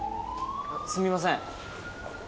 すみません。